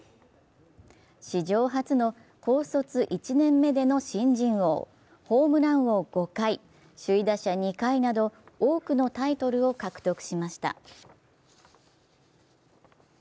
史上初の高卒１年目での新人王、ホームラン王５回、首位打者２回など多くのタイトルを獲得しました。